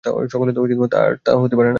সকলে তো আর তা হতে পারে না।